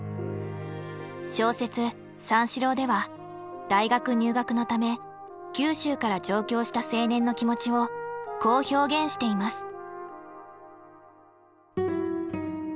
小説「三四郎」では大学入学のため九州から上京した青年の気持ちをこう表現しています。